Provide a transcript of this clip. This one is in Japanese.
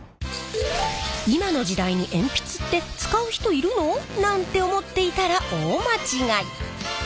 「今の時代に鉛筆って使う人いるの？」なんて思っていたら大間違い！